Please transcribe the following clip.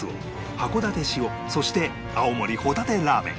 函館塩そして青森ほたてラーメン